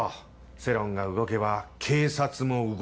世論が動けば警察も動く。